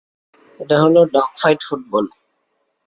এটা হলো dog fight football.